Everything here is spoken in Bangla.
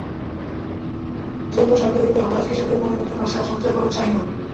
জৈব সার তৈরি করে হতাশ কৃষকদের মনে নতুন আশার সঞ্চার করেন শাহিনূর।